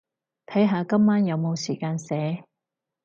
睇下今晚有冇時間寫